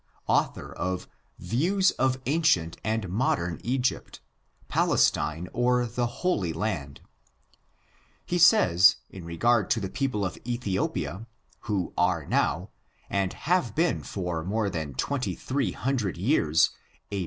D., author of Views of Ancient and Modern Egypt, Palestine or the Holy Land. He says, in regard to the people of Ethiopia, who are now, and have been for more than 2300 years, a mixed FORTUNES, OF THB NEGRO RACE.